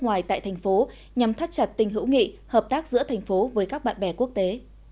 ngoài tại thành phố nhằm thắt chặt tình hữu nghị hợp tác giữa thành phố với các bạn bè quốc tế